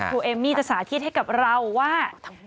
เอมมี่จะสาธิตให้กับเราว่า